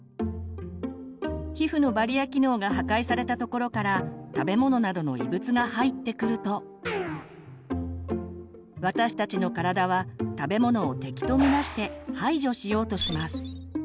皮膚のバリア機能が破壊された所から食べ物などの異物が入ってくると私たちの体は食べ物を敵と見なして排除しようとします。